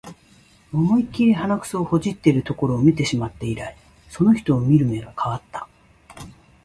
思いっきり鼻くそほじってるところ見てしまって以来、その人を見る目が変わった